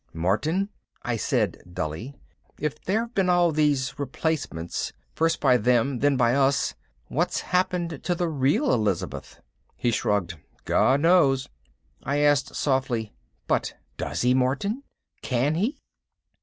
"Martin," I said dully, "if there've been all these replacements, first by them, then by us, what's happened to the real Elizabeth?" He shrugged. "God knows." I asked softly, "But does He, Martin? Can He?"